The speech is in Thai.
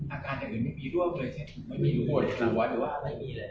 อาการจะมีผลกระทบที่ในครับ